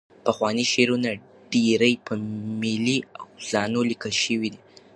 پخواني شعرونه ډېری په ملي اوزانو لیکل شوي دي.